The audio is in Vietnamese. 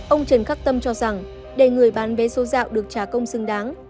ông trần khắc tâm cho rằng để người bán vé số dạo được trả công xứng đáng